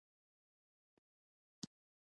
د نورستان خرسونه مشهور دي